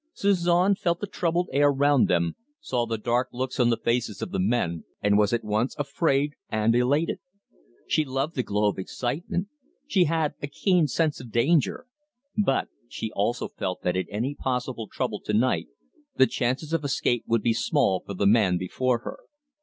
Suzon felt the troubled air round them, saw the dark looks on the faces of the men, and was at once afraid and elated. She loved the glow of excitement, she had a keen sense of danger, but she also felt that in any possible trouble to night the chances of escape would be small for the man before her.